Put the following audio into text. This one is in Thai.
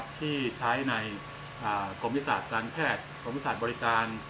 ที่ใช้ในกรมวิทยาศาสตร์การแพทย์กรมวิทยาศาสตร์บริการ